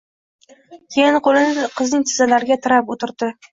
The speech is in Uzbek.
Keyin qoʻlini qizning tizzalariga tirab oʻtirdi